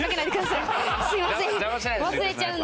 すいません。